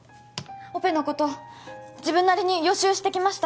オペのこと自分なりに予習してきました